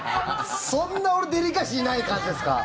そんな、俺デリカシーない感じですか？